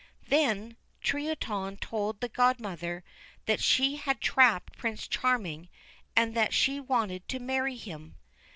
Then Truitonne told the godmother that she had trapped Prince Charming and that she wanted to marry him.